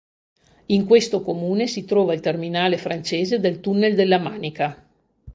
In questo comune si trova il terminale francese del Tunnel della Manica.